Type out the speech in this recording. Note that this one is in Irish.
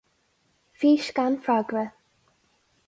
Fís gan freagra.